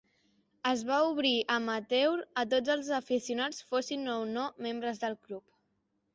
Es va obrir Amateur a tots els aficionats, fossin o no membres del club.